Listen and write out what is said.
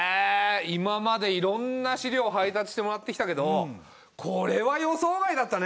今までいろんな資料を配達してもらってきたけどこれは予想外だったね。